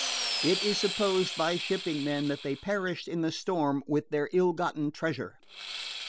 It is supposed by shipping men that they perished in the storm with, their ill gotten treasure.